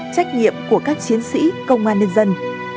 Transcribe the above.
trách nhiệm của các chiến sĩ công an nhân dân